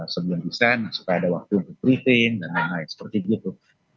sebelum desain suka ada waktu untuk briefing dan lain lain seperti itu